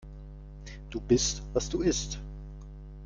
Du bist, was du isst.